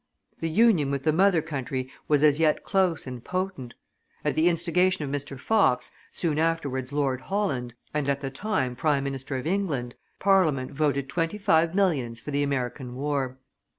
The union with the mother country was as yet close and potent: at the instigation of Mr. Fox, soon afterwards Lord Holland, and at the time Prime Minister of England, Parliament voted twenty five millions for the American war.